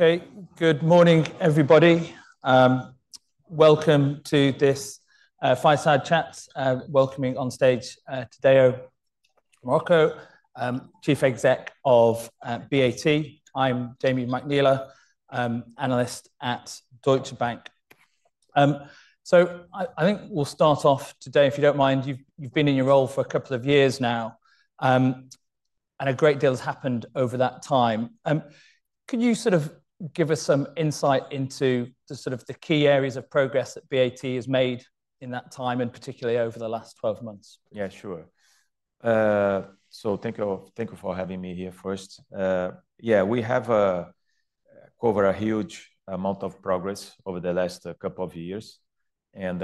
Okay, good morning, everybody. Welcome to this Fireside Chat, welcoming on stage Tadeu Marroco, Chief Exec of BAT. I'm Jamie McNeill, Analyst at Deutsche Bank. I think we'll start off today, if you don't mind. You've been in your role for a couple of years now, and a great deal has happened over that time. Could you sort of give us some insight into the sort of key areas of progress that BAT has made in that time, and particularly over the last 12 months? Yeah, sure. Thank you for having me here first. We have covered a huge amount of progress over the last couple of years, and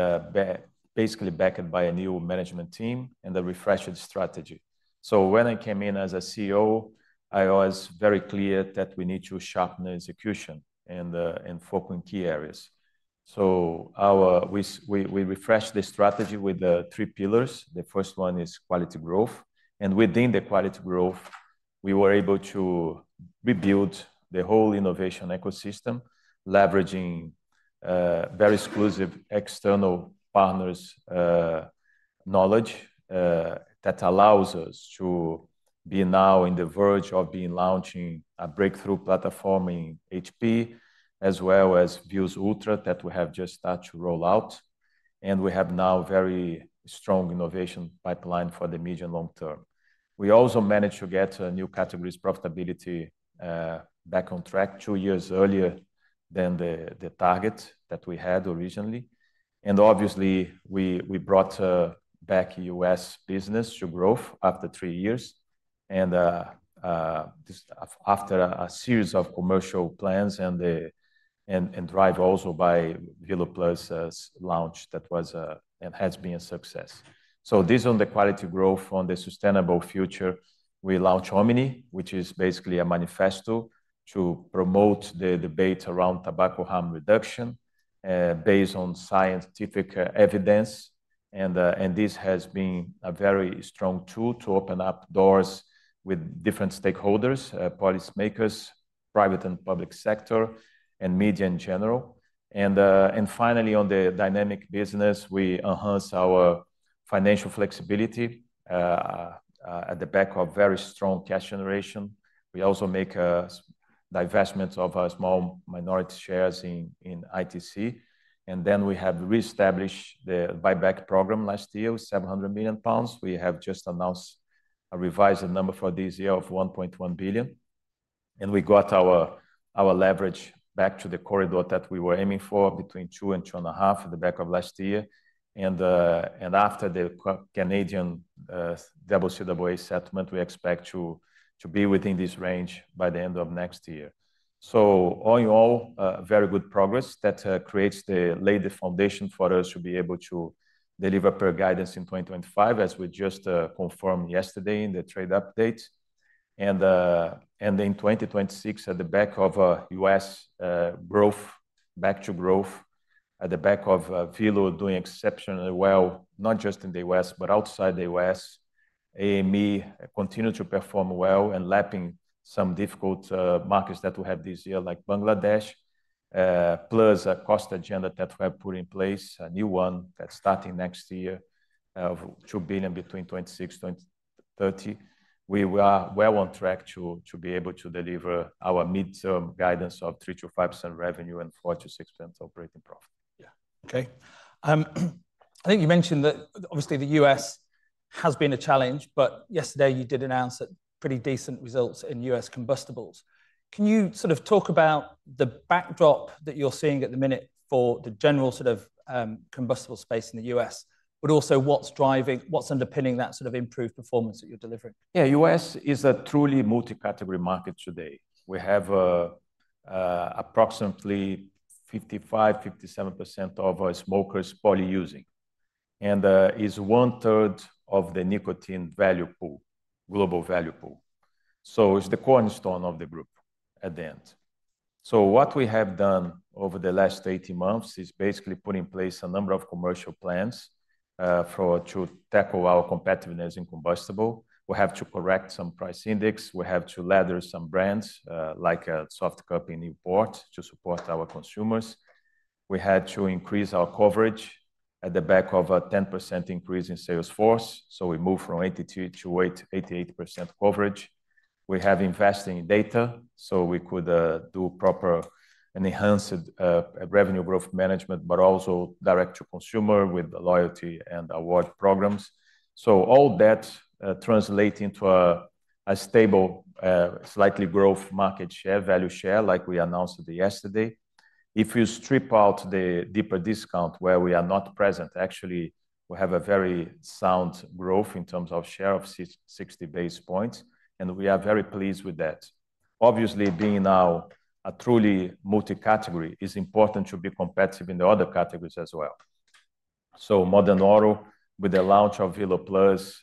basically backed by a new management team and a refreshed strategy. When I came in as CEO, I was very clear that we need to sharpen the execution and focus on key areas. We refreshed the strategy with the three pillars. The first one is quality growth. Within the quality growth, we were able to rebuild the whole innovation ecosystem, leveraging very exclusive external partners' knowledge that allows us to be now on the verge of launching a breakthrough platform in HP, as well as Vuse Ultra that we have just started to roll out. We have now a very strong innovation pipeline for the medium and long term. We also managed to get a new category's profitability back on track two years earlier than the target that we had originally. Obviously, we brought back U.S. business to growth after three years, and after a series of commercial plans and drives also by VeloPlus' launch that was and has been a success. This is on the quality growth, on the sustainable future. We launched Omni, which is basically a manifesto to promote the debate around tobacco harm reduction based on scientific evidence. This has been a very strong tool to open up doors with different stakeholders, policymakers, private and public sector, and media in general. Finally, on the dynamic business, we enhance our financial flexibility at the back of very strong cash generation. We also make a divestment of our small minority shares in ITC. We have reestablished the buyback program last year, 700 million pounds. We have just announced a revised number for this year of 1.1 billion. We got our leverage back to the corridor that we were aiming for, between two and two and a half at the back of last year. After the Canadian CCAA settlement, we expect to be within this range by the end of next year. All in all, very good progress that creates the laid foundation for us to be able to deliver peer guidance in 2025, as we just confirmed yesterday in the trade update. In 2026, at the back of U.S. growth, back to growth, at the back of Velo doing exceptionally well, not just in the US, but outside the US, AME continues to perform well and lapping some difficult markets that we have this year, like Bangladesh, plus a cost agenda that we have put in place, a new one that's starting next year, 2 billion between 2026-2030. We are well on track to be able to deliver our midterm guidance of 3%-5% revenue and 4%-6% operating profit. Yeah. Okay. I think you mentioned that obviously the U.S. has been a challenge, but yesterday you did announce pretty decent results in U.S. combustibles. Can you sort of talk about the backdrop that you're seeing at the minute for the general sort of combustible space in the US, but also what's driving, what's underpinning that sort of improved performance that you're delivering? Yeah, U.S. is a truly multi-category market today. We have approximately 55%-57% of our smokers polyusing, and it's one third of the nicotine value pool, global value pool. It is the cornerstone of the group at the end. What we have done over the last 18 months is basically put in place a number of commercial plans to tackle our competitiveness in combustibles. We have to correct some price index. We have to ladder some brands like Softcup in import to support our consumers. We had to increase our coverage at the back of a 10% increase in sales force. We moved from 82% to 88% coverage. We have invested in data so we could do proper and enhance revenue growth management, but also direct to consumer with loyalty and award programs. All that translates into a stable, slightly growth market share, value share, like we announced yesterday. If you strip out the deeper discount where we are not present, actually, we have a very sound growth in terms of share of 60 basis points, and we are very pleased with that. Obviously, being now a truly multi-category, it is important to be competitive in the other categories as well. More than order with the launch of VeloPlus,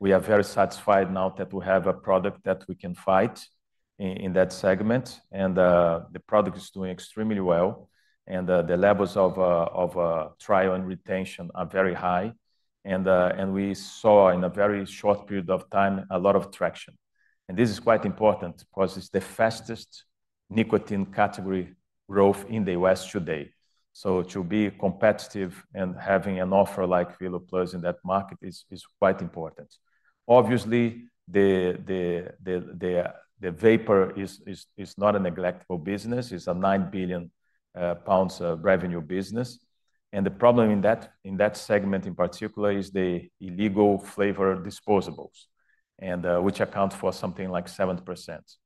we are very satisfied now that we have a product that we can fight in that segment, and the product is doing extremely well. The levels of trial and retention are very high, and we saw in a very short period of time a lot of traction. This is quite important because it is the fastest nicotine category growth in the U.S. today. To be competitive and having an offer like VeloPlus in that market is quite important. Obviously, the vapor is not a neglectful business. It is a 9 billion pounds revenue business. The problem in that segment in particular is the illegal flavor disposables, which accounts for something like 7%.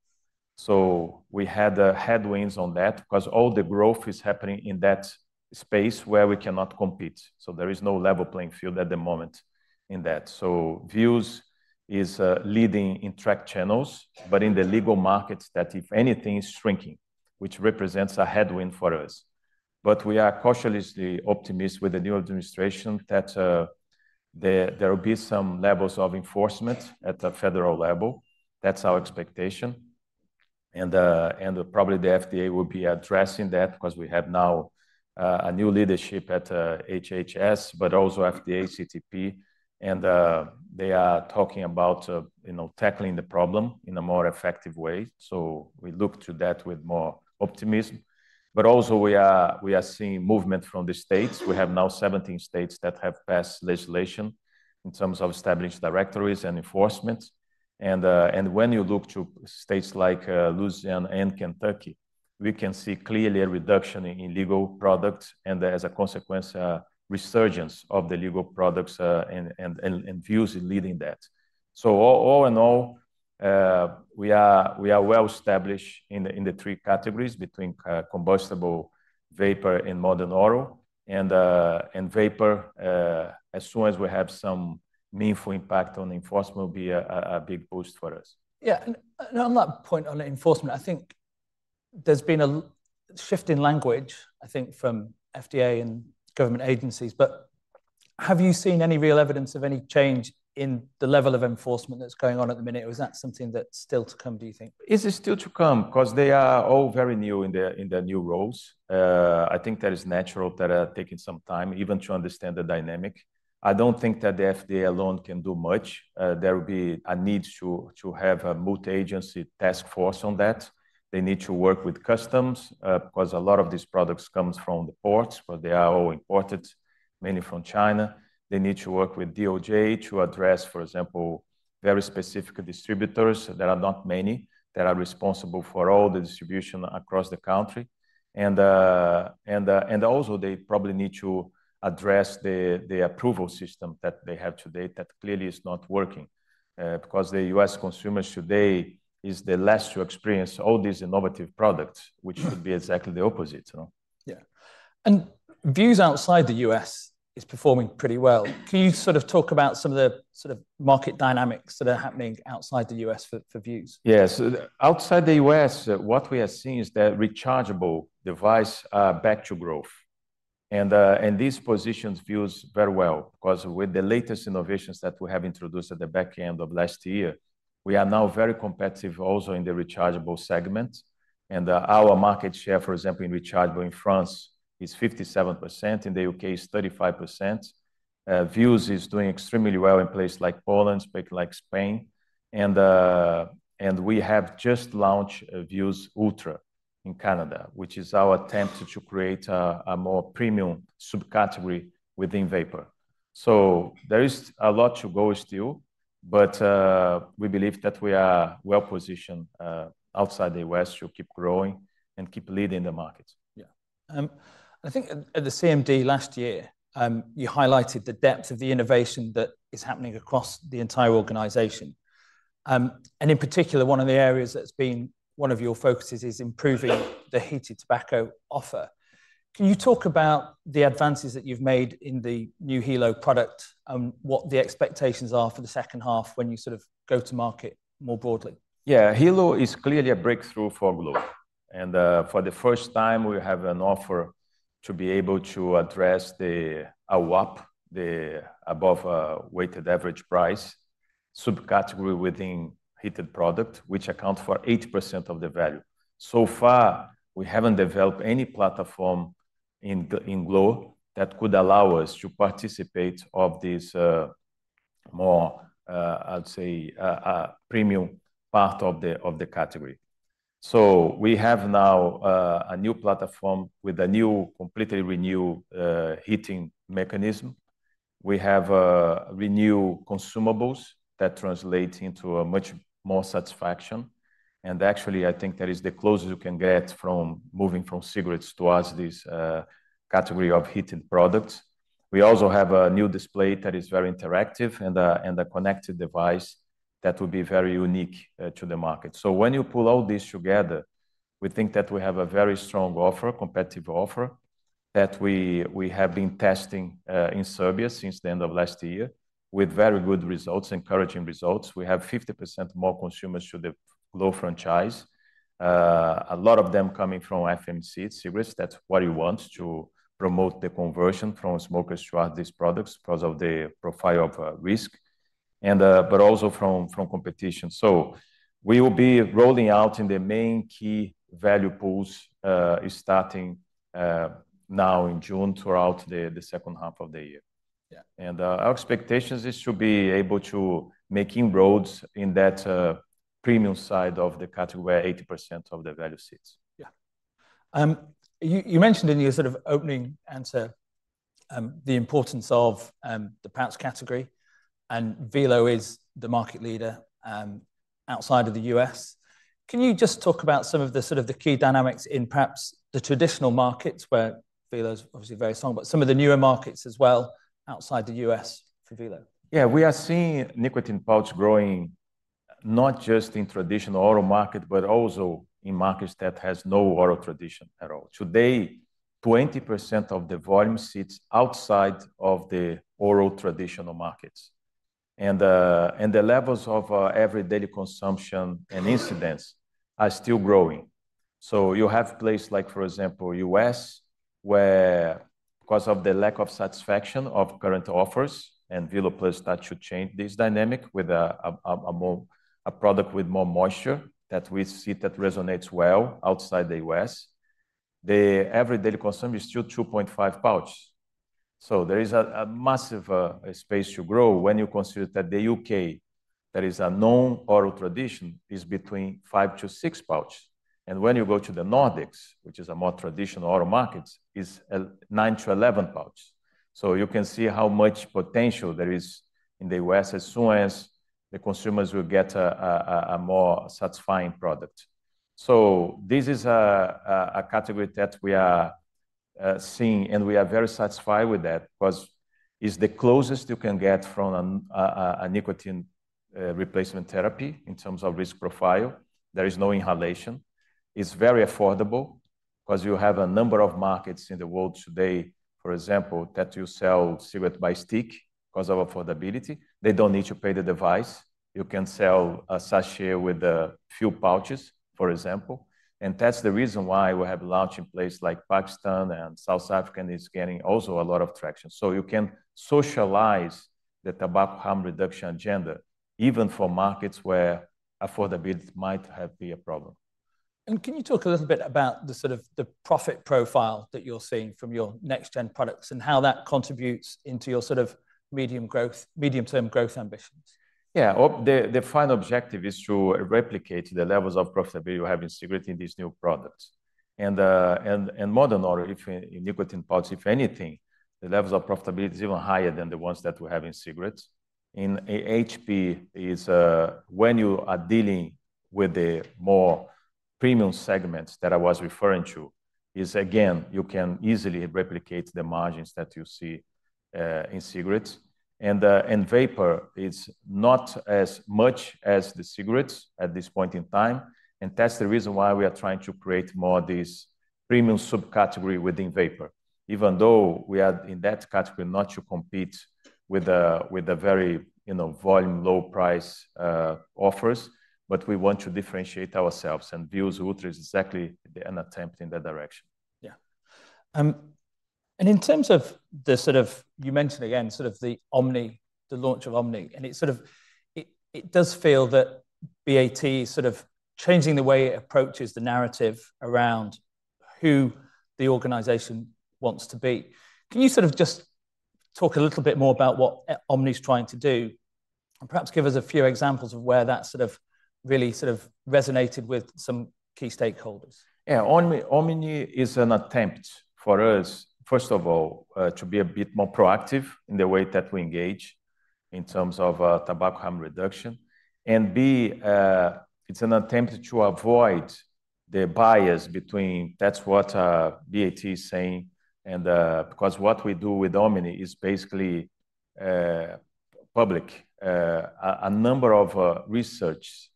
We had headwinds on that because all the growth is happening in that space where we cannot compete. There is no level playing field at the moment in that. Vuse is leading in track channels, but in the legal markets, that if anything, it is shrinking, which represents a headwind for us. We are cautiously optimistic with the new administration that there will be some levels of enforcement at the federal level. That is our expectation. Probably the FDA will be addressing that because we have now a new leadership at HHS, but also FDA, CTP, and they are talking about tackling the problem in a more effective way. We look to that with more optimism. We are also seeing movement from the states. We have now 17 states that have passed legislation in terms of established directories and enforcement. When you look to states like Louisiana and Kentucky, we can see clearly a reduction in illegal products and as a consequence, a resurgence of the legal products and Vuse leading that. All in all, we are well established in the three categories between combustibles, vapor, and modern oral. Vapor, as soon as we have some meaningful impact on enforcement, will be a big boost for us. Yeah. I'm not point on enforcement. I think there's been a shift in language, I think, from FDA and government agencies. Have you seen any real evidence of any change in the level of enforcement that's going on at the minute? Is that something that's still to come, do you think? It is still to come because they are all very new in their new roles. I think that is natural that they are taking some time even to understand the dynamic. I do not think that the FDA alone can do much. There will be a need to have a multi-agency task force on that. They need to work with customs because a lot of these products come from the ports, but they are all imported, mainly from China. They need to work with DOJ to address, for example, very specific distributors that are not many that are responsible for all the distribution across the country. They probably need to address the approval system that they have today that clearly is not working because the U.S. consumers today are the last to experience all these innovative products, which should be exactly the opposite. Yeah. And Vuse outside the U.S. is performing pretty well. Can you sort of talk about some of the sort of market dynamics that are happening outside the U.S. for Vuse? Yes. Outside the U.S., what we are seeing is that rechargeable devices are back to growth. This positions Vuse very well because with the latest innovations that we have introduced at the back end of last year, we are now very competitive also in the rechargeable segment. Our market share, for example, in rechargeable in France is 57%. In the U.K., it is 35%. Vuse is doing extremely well in places like Poland, like Spain. We have just launched Vuse Ultra in Canada, which is our attempt to create a more premium subcategory within vapor. There is a lot to go still, but we believe that we are well positioned outside the U.S. to keep growing and keep leading the market. Yeah. I think at the CMD last year, you highlighted the depth of the innovation that is happening across the entire organization. In particular, one of the areas that's been one of your focuses is improving the heated tobacco offer. Can you talk about the advances that you've made in the new Helo product and what the expectations are for the second half when you sort of go to market more broadly? Yeah, Helo is clearly a breakthrough for growth. For the first time, we have an offer to be able to address our WAP, the above weighted average price subcategory within heated product, which accounts for 8% of the value. So far, we haven't developed any platform in Glo that could allow us to participate of this more, I'd say, premium part of the category. We have now a new platform with a new, completely renewed heating mechanism. We have renewed consumables that translate into a much more satisfaction. Actually, I think that is the closest you can get from moving from cigarettes towards this category of heated products. We also have a new display that is very interactive and a connected device that will be very unique to the market. When you pull all this together, we think that we have a very strong offer, competitive offer that we have been testing in Serbia since the end of last year with very good results, encouraging results. We have 50% more consumers to the global franchise, a lot of them coming from FMC cigarettes. That is what we want to promote, the conversion from smokers to these products because of the profile of risk, but also from competition. We will be rolling out in the main key value pools starting now in June throughout the second half of the year. Our expectation is to be able to make inroads in that premium side of the category where 80% of the value sits. Yeah. You mentioned in your sort of opening answer the importance of the pouch category, and Velo is the market leader outside of the US. Can you just talk about some of the sort of the key dynamics in perhaps the traditional markets where Velo is obviously very strong, but some of the newer markets as well outside the U.S. for Velo? Yeah, we are seeing nicotine pouch growing not just in traditional oral markets, but also in markets that have no oral tradition at all. Today, 20% of the volume sits outside of the oral traditional markets. The levels of everyday consumption and incidence are still growing. You have places like, for example, the US, where because of the lack of satisfaction of current offers and VeloPlus, that should change this dynamic with a product with more moisture that we see resonates well outside the U.S. The everyday consumer is still 2.5 pouches. There is a massive space to grow when you consider that the U.K., that is a known oral tradition, is between five to six pouches. When you go to the Nordics, which is a more traditional oral market, it is nine to 11 pouches. You can see how much potential there is in the U.S. as soon as the consumers will get a more satisfying product. This is a category that we are seeing, and we are very satisfied with that because it's the closest you can get from a nicotine replacement therapy in terms of risk profile. There is no inhalation. It's very affordable because you have a number of markets in the world today, for example, that you sell cigarette by stick because of affordability. They do not need to pay the device. You can sell a sachet with a few pouches, for example. That is the reason why we have launched in places like Pakistan and South Africa, and it's getting also a lot of traction. You can socialize the tobacco harm reduction agenda even for markets where affordability might have been a problem. Can you talk a little bit about the sort of the profit profile that you're seeing from your next-gen products and how that contributes into your sort of medium-term growth ambitions? Yeah. The final objective is to replicate the levels of profitability we have in cigarettes in these new products. And modern nicotine pouches, if anything, the levels of profitability is even higher than the ones that we have in cigarettes. In HP, when you are dealing with the more premium segments that I was referring to, again, you can easily replicate the margins that you see in cigarettes. Vapor is not as much as the cigarettes at this point in time. That is the reason why we are trying to create more of this premium subcategory within vapor, even though we are in that category not to compete with the very volume low price offers, but we want to differentiate ourselves. Vuse Ultra is exactly an attempt in that direction. Yeah. In terms of the sort of, you mentioned again sort of the launch of Omni, and it sort of does feel that BAT is sort of changing the way it approaches the narrative around who the organization wants to be. Can you sort of just talk a little bit more about what Omni is trying to do and perhaps give us a few examples of where that sort of really sort of resonated with some key stakeholders? Yeah. Omni is an attempt for us, first of all, to be a bit more proactive in the way that we engage in terms of tobacco harm reduction. B, it's an attempt to avoid the bias between. That's what BAT is saying. What we do with Omni is basically public, a number of research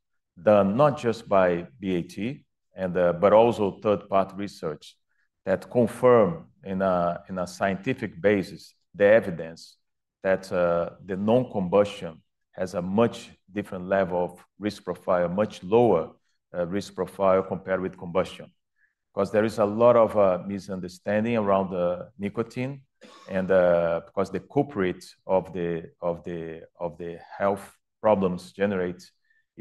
done not just by BAT, but also third-party research that confirm in a scientific basis the evidence that the non-combustion has a much different level of risk profile, much lower risk profile compared with combustion. There is a lot of misunderstanding around nicotine and because the culprit of the health problems generated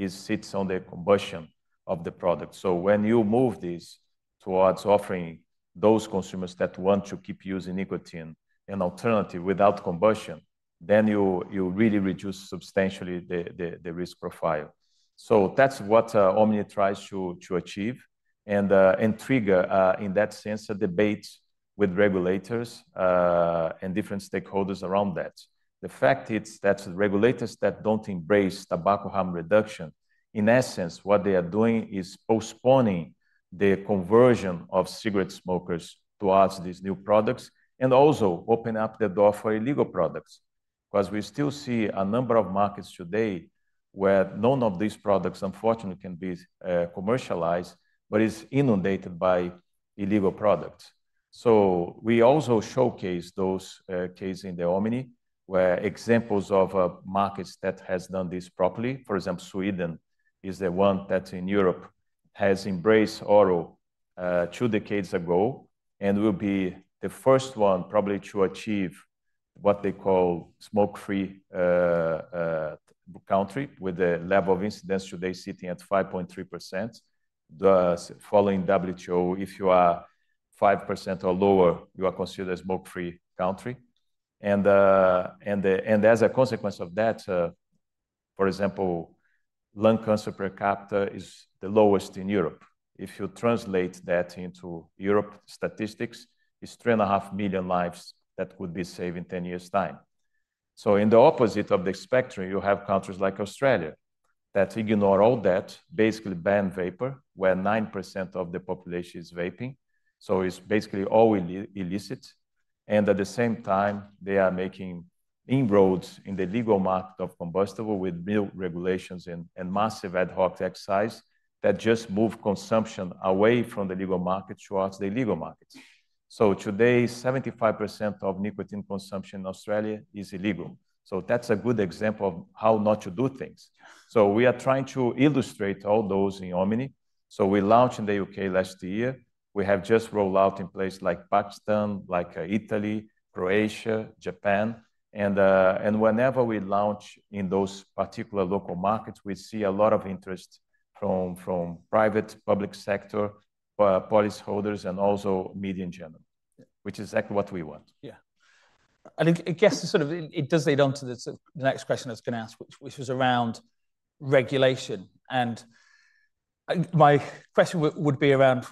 sits on the combustion of the product. When you move this towards offering those consumers that want to keep using nicotine an alternative without combustion, you really reduce substantially the risk profile. That is what Omni tries to achieve and trigger in that sense a debate with regulators and different stakeholders around that. The fact is that regulators that do not embrace tobacco harm reduction, in essence, what they are doing is postponing the conversion of cigarette smokers towards these new products and also opening up the door for illegal products. Because we still see a number of markets today where none of these products, unfortunately, can be commercialized, but it is inundated by illegal products. We also showcase those cases in the Omni where examples of markets that have done this properly. For example, Sweden is the one that in Europe has embraced it two decades ago and will be the first one probably to achieve what they call smoke-free country with the level of incidence today sitting at 5.3%. Following WTO, if you are 5% or lower, you are considered a smoke-free country. As a consequence of that, for example, lung cancer per capita is the lowest in Europe. If you translate that into Europe statistics, it is three and a half million lives that could be saved in 10 years' time. In the opposite of the spectrum, you have countries like Australia that ignore all that, basically ban vapor where 9% of the population is vaping. It is basically all illicit. At the same time, they are making inroads in the legal market of combustibles with new regulations and massive ad hoc excise that just move consumption away from the legal market towards the illegal markets. Today, 75% of nicotine consumption in Australia is illegal. That is a good example of how not to do things. We are trying to illustrate all those in Omni. We launched in the U.K. last year. We have just rolled out in places like Pakistan, Italy, Croatia, Japan. Whenever we launch in those particular local markets, we see a lot of interest from private, public sector, policyholders, and also media in general, which is exactly what we want. Yeah. I guess sort of it does lead on to the next question I was going to ask, which was around regulation. My question would be around,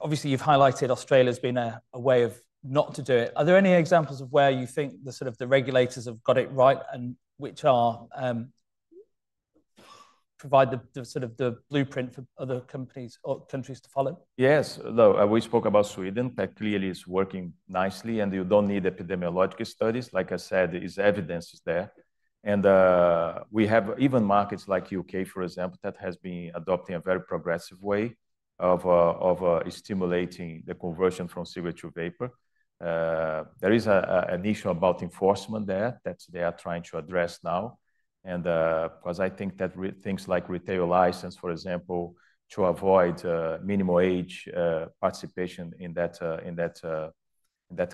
obviously, you've highlighted Australia has been a way of not to do it. Are there any examples of where you think the sort of the regulators have got it right and which provide the sort of the blueprint for other companies or countries to follow? Yes. We spoke about Sweden that clearly is working nicely, and you don't need epidemiological studies. Like I said, the evidence is there. We have even markets like the U.K., for example, that have been adopting a very progressive way of stimulating the conversion from cigarette to vapor. There is an issue about enforcement there that they are trying to address now. I think that things like retail license, for example, to avoid minimum age participation in that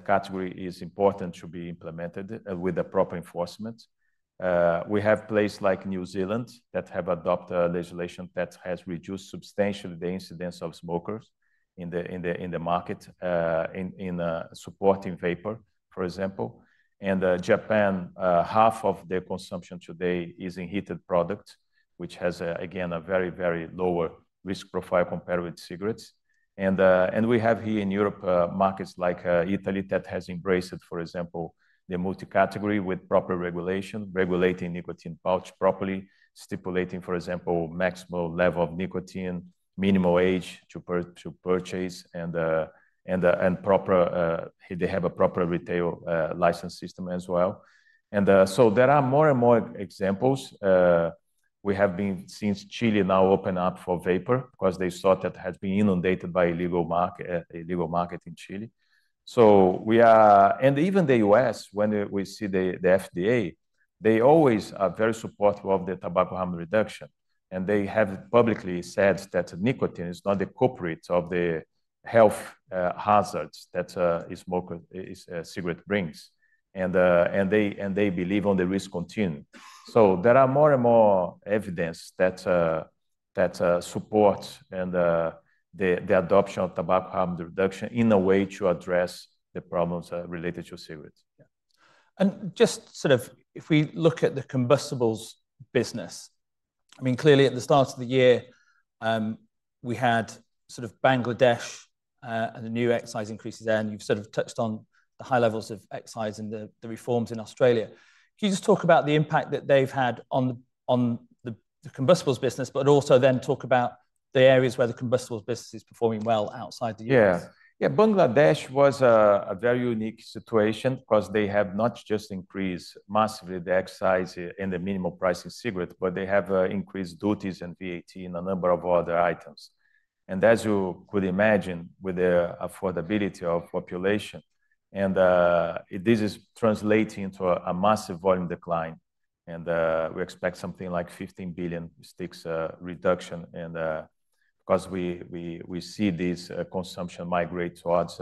category is important to be implemented with the proper enforcement. We have places like New Zealand that have adopted legislation that has reduced substantially the incidence of smokers in the market in supporting vapor, for example. Japan, half of their consumption today is in heated products, which has, again, a very, very lower risk profile compared with cigarettes. We have here in Europe markets like Italy that have embraced, for example, the multi-category with proper regulation, regulating nicotine pouch properly, stipulating, for example, maximum level of nicotine, minimum age to purchase, and they have a proper retail license system as well. There are more and more examples. We have been seeing Chile now open up for vapor because they saw that it has been inundated by illegal market in Chile. Even the U.S., when we see the FDA, they always are very supportive of the tobacco harm reduction. They have publicly said that nicotine is not the culprit of the health hazards that a cigarette brings. They believe on the risk continuum. There is more and more evidence that supports the adoption of tobacco harm reduction in a way to address the problems related to cigarettes. If we look at the combustibles business, I mean, clearly at the start of the year, we had Bangladesh and the new excise increases there. You have touched on the high levels of excise and the reforms in Australia. Can you just talk about the impact that they have had on the combustibles business, but also then talk about the areas where the combustibles business is performing well outside the U.S.? Yeah. Yeah, Bangladesh was a very unique situation because they have not just increased massively the excise and the minimum price in cigarettes, but they have increased duties and VAT in a number of other items. As you could imagine with the affordability of population, this is translating into a massive volume decline. We expect something like 15 billion sticks reduction because we see this consumption migrate towards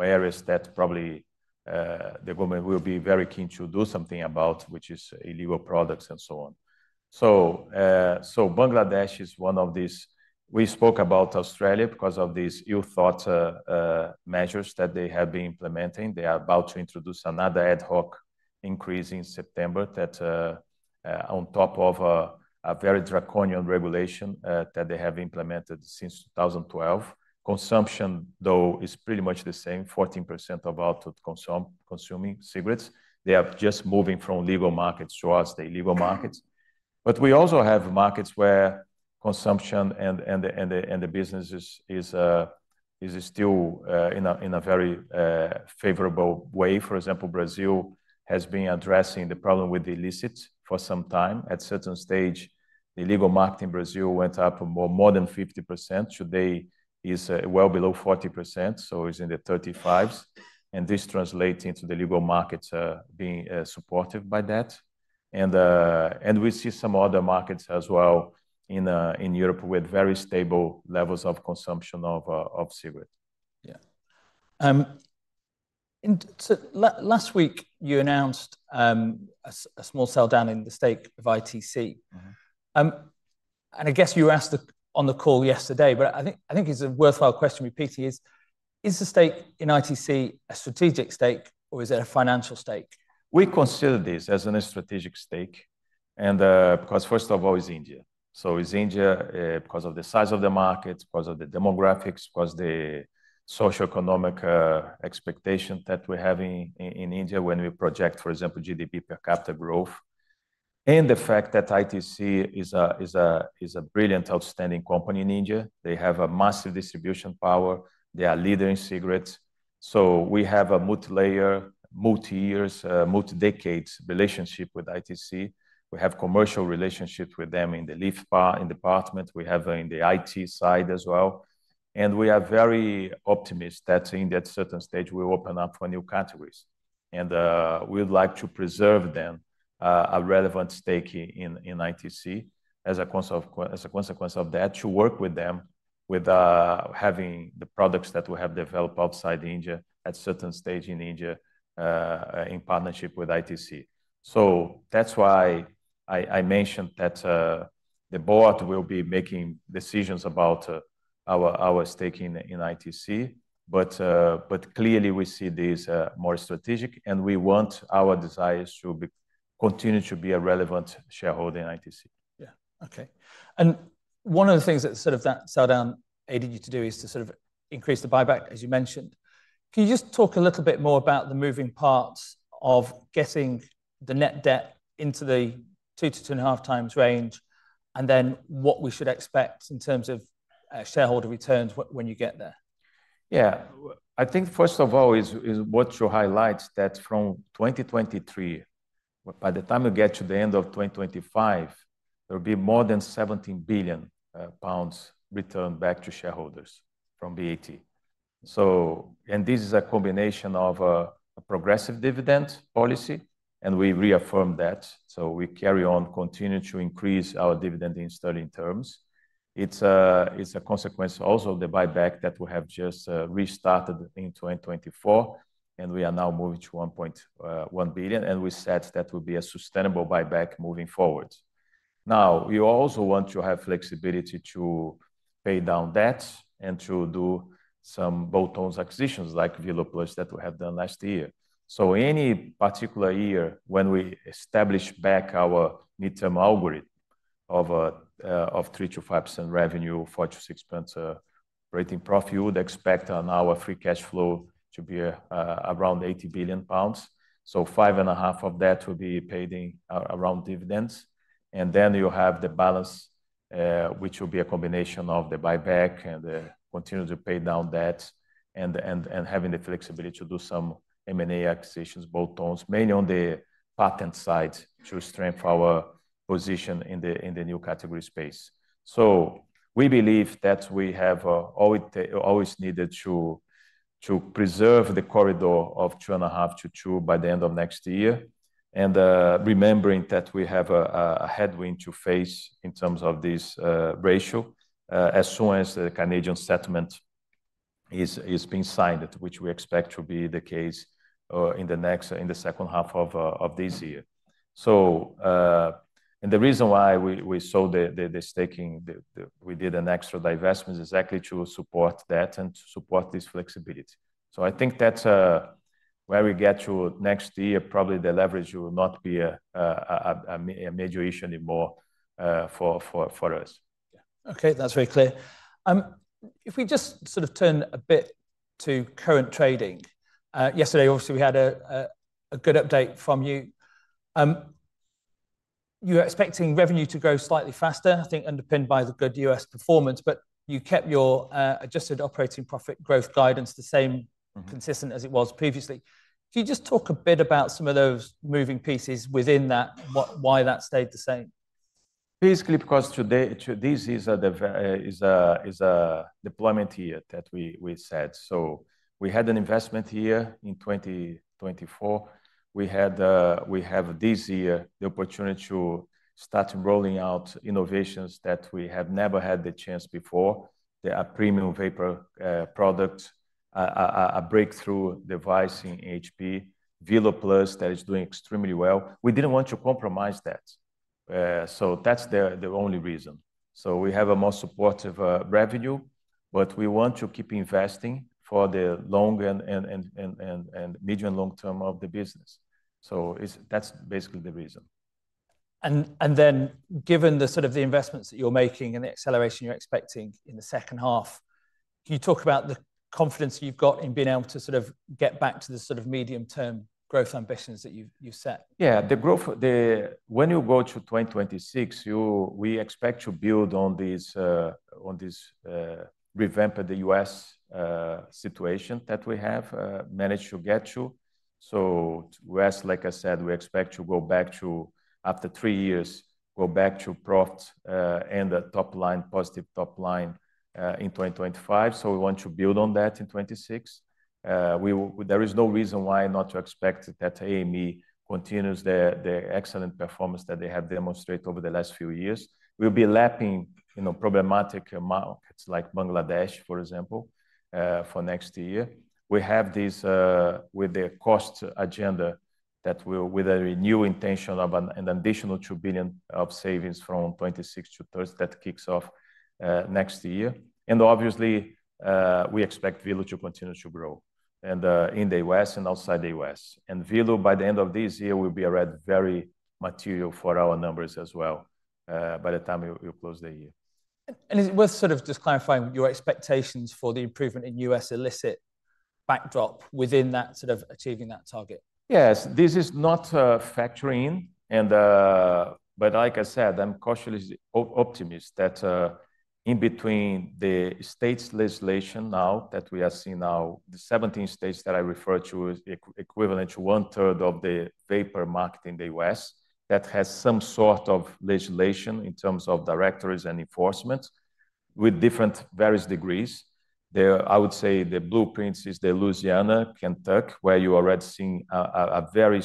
areas that probably the government will be very keen to do something about, which is illegal products and so on. Bangladesh is one of these. We spoke about Australia because of these youth thought measures that they have been implementing. They are about to introduce another ad hoc increase in September on top of a very draconian regulation that they have implemented since 2012. Consumption, though, is pretty much the same, 14% of all consuming cigarettes. They are just moving from legal markets towards the illegal markets. We also have markets where consumption and the business is still in a very favorable way. For example, Brazil has been addressing the problem with the illicits for some time. At a certain stage, the legal market in Brazil went up more than 50%. Today, it is well below 40%. It is in the 35s. This translates into the legal markets being supported by that. We see some other markets as well in Europe with very stable levels of consumption of cigarettes. Yeah. Last week, you announced a small sell down in the stake of ITC. I guess you were asked on the call yesterday, but I think it's a worthwhile question repeating, is the stake in ITC a strategic stake or is it a financial stake? We consider this as a strategic stake. It is India because of the size of the market, because of the demographics, because of the socioeconomic expectation that we have in India when we project, for example, GDP per capita growth. The fact that ITC is a brilliant, outstanding company in India. They have a massive distribution power. They are a leader in cigarettes. We have a multi-layer, multi-year, multi-decade relationship with ITC. We have commercial relationships with them in the department. We have in the IT side as well. We are very optimistic that at a certain stage, it will open up for new categories. We'd like to preserve a relevant stake in ITC as a consequence of that, to work with them with having the products that we have developed outside India at a certain stage in India in partnership with ITC. That is why I mentioned that the board will be making decisions about our stake in ITC. Clearly, we see this as more strategic. We want our desire to continue to be a relevant shareholder in ITC. Yeah. Okay. One of the things that sort of that sell down aided you to do is to sort of increase the buyback, as you mentioned. Can you just talk a little bit more about the moving parts of getting the net debt into the two to two and a half times range and then what we should expect in terms of shareholder returns when you get there? Yeah. I think first of all, it's what you highlight that from 2023, by the time you get to the end of 2025, there will be more than 17 billion pounds returned back to shareholders from BAT. This is a combination of a progressive dividend policy. We reaffirm that. We carry on continuing to increase our dividend in sterling terms. It's a consequence also of the buyback that we have just restarted in 2024. We are now moving to 1.1 billion. We said that will be a sustainable buyback moving forward. We also want to have flexibility to pay down debts and to do some bolt-on acquisitions like VeloPlus that we have done last year. Any particular year when we establish back our midterm algorithm of 3%-5% revenue, 4%-6% rating profit, you would expect on our free cash flow to be around 8 billion pounds. 5.5 billion of that will be paid in around dividends. Then you have the balance, which will be a combination of the buyback and continuing to pay down debts and having the flexibility to do some M&A acquisitions, bolt-ons, mainly on the patent side to strengthen our position in the new category space. We believe that we have always needed to preserve the corridor of 2.5x-2x by the end of next year. Remembering that we have a headwind to face in terms of this ratio as soon as the Canadian settlement is being signed, which we expect to be the case in the next second half of this year. The reason why we saw the staking, we did an extra divestment exactly to support that and to support this flexibility. I think that's where we get to next year, probably the leverage will not be a major issue anymore for us. Yeah. Okay. That's very clear. If we just sort of turn a bit to current trading. Yesterday, obviously, we had a good update from you. You were expecting revenue to grow slightly faster, I think underpinned by the good U.S. performance, but you kept your adjusted operating profit growth guidance the same, consistent as it was previously. Can you just talk a bit about some of those moving pieces within that, why that stayed the same? Basically, because today this is a deployment year that we said. We had an investment year in 2024. We have this year the opportunity to start rolling out innovations that we have never had the chance before. There are premium vapor products, a breakthrough device in HP, VeloPlus that is doing extremely well. We did not want to compromise that. That is the only reason. We have a more supportive revenue, but we want to keep investing for the long and medium and long term of the business. That is basically the reason. Given the sort of the investments that you're making and the acceleration you're expecting in the second half, can you talk about the confidence you've got in being able to sort of get back to the sort of medium-term growth ambitions that you've set? Yeah. When you go to 2026, we expect to build on this revamped U.S. situation that we have managed to get to. US, like I said, we expect to go back to, after three years, go back to profit and the top line, positive top line in 2025. We want to build on that in 2026. There is no reason why not to expect that AME continues the excellent performance that they have demonstrated over the last few years. We will be lapping problematic markets like Bangladesh, for example, for next year. We have this with the cost agenda that will, with a new intention of an additional 2 billion of savings from 2026 to 2027 that kicks off next year. Obviously, we expect Velo to continue to grow in the U.S. and outside the U.S.. Velo, by the end of this year, will be very material for our numbers as well by the time we close the year. Is it worth sort of just clarifying your expectations for the improvement in U.S. illicit backdrop within that sort of achieving that target? Yes. This is not factoring. Like I said, I'm cautiously optimistic that in between the states' legislation now that we are seeing now, the 17 states that I referred to is equivalent to 1/3 of the vapor market in the U.S. that has some sort of legislation in terms of directories and enforcement with different various degrees. I would say the blueprint is the Louisiana Kentucky where you are already seeing a very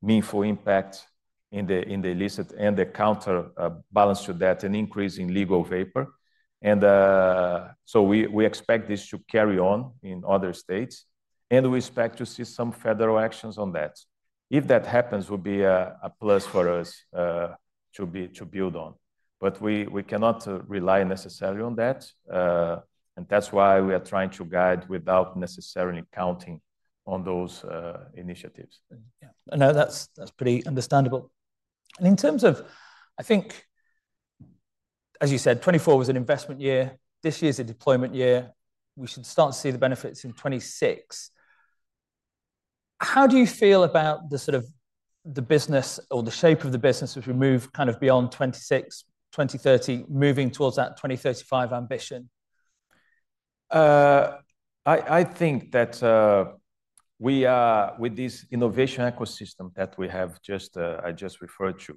meaningful impact in the illicit and the counterbalance to that and increase in legal vapor. We expect this to carry on in other states. We expect to see some federal actions on that. If that happens, it will be a plus for us to build on. We cannot rely necessarily on that. That is why we are trying to guide without necessarily counting on those initiatives. Yeah. No, that's pretty understandable. In terms of, I think, as you said, 2024 was an investment year. This year is a deployment year. We should start to see the benefits in 2026. How do you feel about the sort of the business or the shape of the business as we move kind of beyond 2026, 2030, moving towards that 2035 ambition? I think that we are with this innovation ecosystem that we have just referred to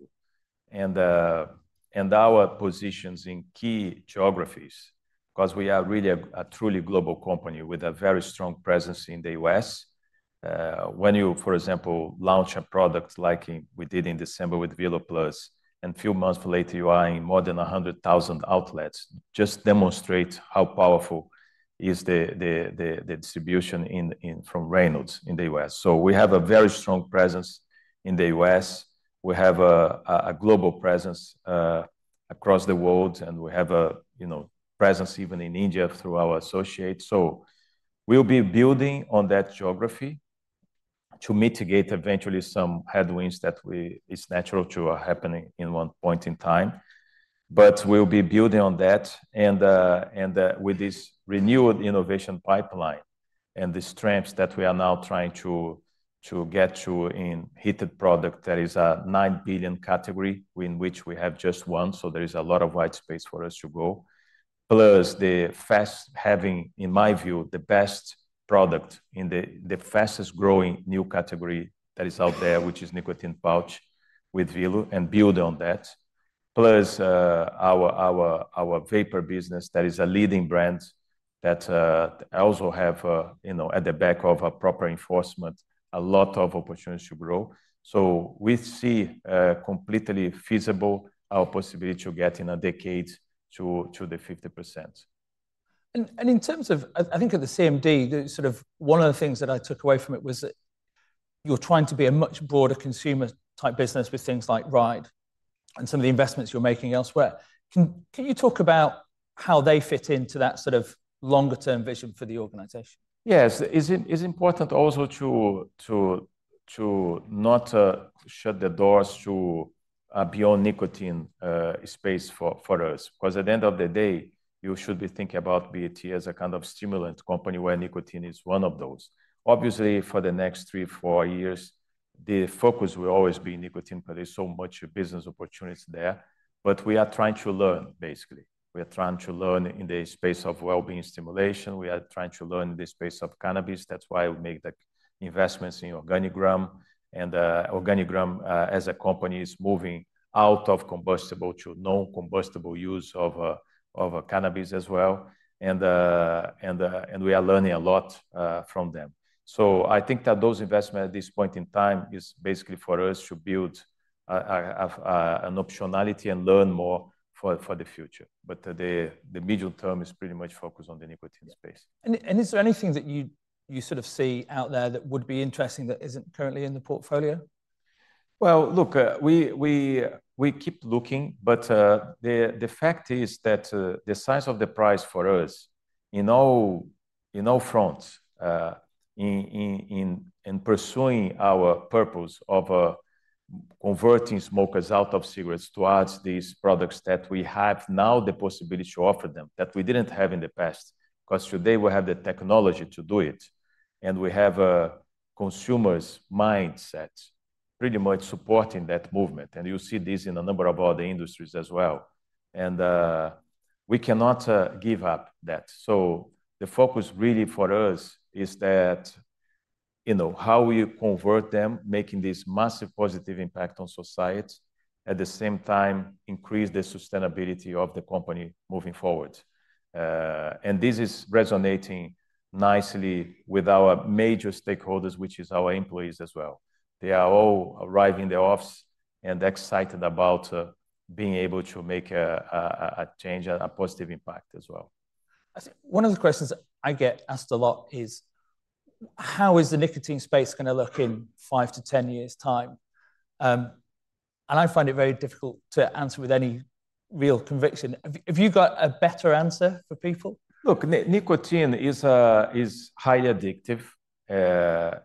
and our positions in key geographies because we are really a truly global company with a very strong presence in the US. When you, for example, launch a product like we did in December with VeloPlus, and a few months later, you are in more than 100,000 outlets, it just demonstrates how powerful is the distribution from Reynolds in the US. We have a very strong presence in the US. We have a global presence across the world. We have a presence even in India through our associates. We will be building on that geography to mitigate eventually some headwinds that is natural to happen in one point in time. We will be building on that. With this renewed innovation pipeline and the strengths that we are now trying to get to in heated product, there is a 9 billion category in which we have just one. There is a lot of white space for us to go. Plus, having, in my view, the best product in the fastest growing new category that is out there, which is nicotine pouch with Velo, and build on that. Plus our vapor business that is a leading brand that I also have at the back of a proper enforcement, a lot of opportunities to grow. We see completely feasible our possibility to get in a decade to the 50%. In terms of, I think at the CMD, sort of one of the things that I took away from it was that you're trying to be a much broader consumer-type business with things like Ride and some of the investments you're making elsewhere. Can you talk about how they fit into that sort of longer-term vision for the organization? Yes. It's important also to not shut the doors to a beyond nicotine space for us. Because at the end of the day, you should be thinking about BAT as a kind of stimulant company where nicotine is one of those. Obviously, for the next three, four years, the focus will always be nicotine, but there's so much business opportunity there. We are trying to learn, basically. We are trying to learn in the space of well-being stimulation. We are trying to learn in the space of cannabis. That's why we make the investments in Organigram. And Organigram as a company is moving out of combustible to non-combustible use of cannabis as well. We are learning a lot from them. I think that those investments at this point in time are basically for us to build an optionality and learn more for the future. The medium term is pretty much focused on the nicotine space. Is there anything that you sort of see out there that would be interesting that isn't currently in the portfolio? Look, we keep looking. The fact is that the size of the prize for us on all fronts in pursuing our purpose of converting smokers out of cigarettes towards these products that we have now the possibility to offer them, that we did not have in the past. Because today we have the technology to do it, and we have a consumer's mindset pretty much supporting that movement. You see this in a number of other industries as well. We cannot give up that. The focus really for us is how we convert them, making this massive positive impact on society, at the same time increase the sustainability of the company moving forward. This is resonating nicely with our major stakeholders, which is our employees as well. They are all arriving in the office and excited about being able to make a change and a positive impact as well. One of the questions I get asked a lot is, how is the nicotine space going to look in five to 10 years' time? I find it very difficult to answer with any real conviction. Have you got a better answer for people? Look, nicotine is highly addictive. It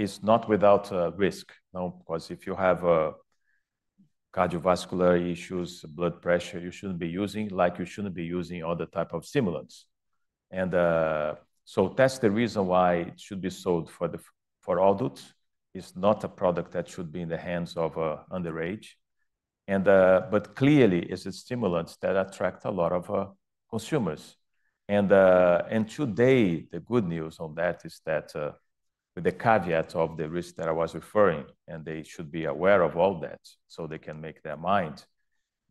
is not without risk. Because if you have cardiovascular issues, blood pressure, you should not be using, like you should not be using other types of stimulants. That is the reason why it should be sold for adults. It is not a product that should be in the hands of underage. Clearly, it is a stimulant that attracts a lot of consumers. Today, the good news on that is that, with the caveat of the risk that I was referring, and they should be aware of all that so they can make their mind,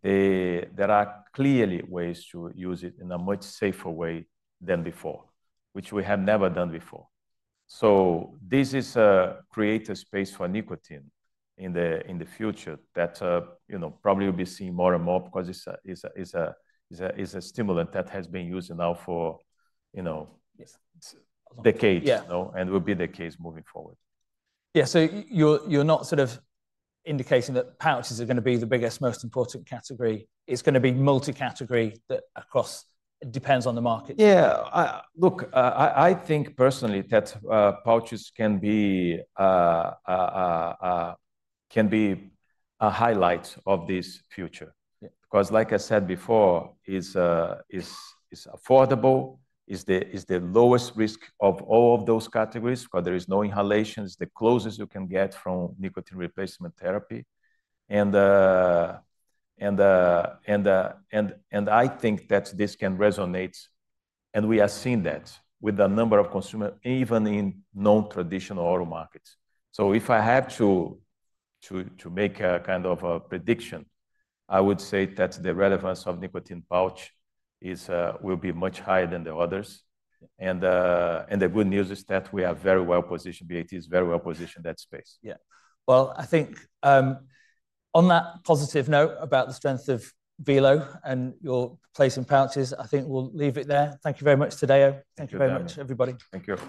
there are clearly ways to use it in a much safer way than before, which we have never done before. This is creating a space for nicotine in the future that probably we will be seeing more and more because it is a stimulant that has been used now for decades. Will be the case moving forward. Yeah. So you're not sort of indicating that pouches are going to be the biggest, most important category. It's going to be multi-category that across depends on the market. Yeah. Look, I think personally that pouches can be a highlight of this future. Because like I said before, it's affordable. It's the lowest risk of all of those categories because there is no inhalation. It's the closest you can get from nicotine replacement therapy. I think that this can resonate. We are seeing that with a number of consumers, even in non-traditional oral markets. If I have to make a kind of a prediction, I would say that the relevance of nicotine pouch will be much higher than the others. The good news is that we are very well positioned. BAT is very well positioned in that space. Yeah. I think on that positive note about the strength of Velo and your place in pouches, I think we'll leave it there. Thank you very much, Tadeu. Thank you very much, everybody. Thank you.